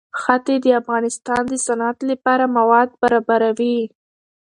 ښتې د افغانستان د صنعت لپاره مواد برابروي.